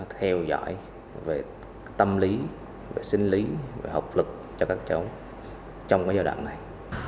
theo dõi về tâm lý xinh lý học lực cho các cháu trong giai đoạn này